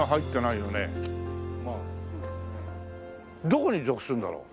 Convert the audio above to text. どこに属するんだろう？